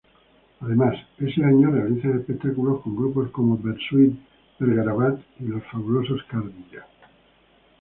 Además, ese año realizan espectáculos con grupos como Bersuit Vergarabat y Los Fabulosos Cadillacs.